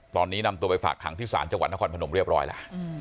ตอนนี้นำตัวไปฝากขังที่ศาลจังหวัดนครพนมเรียบร้อยแล้ว